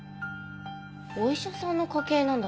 お医者さんの家系なんだ。